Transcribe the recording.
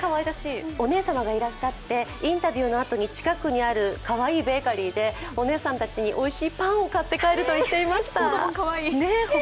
お姉様がいらっしゃってインタビューのあと近くにあるベーカリーでかわいいベーカリーでお姉さんたちにおいしいパンを買って帰ると言ってました。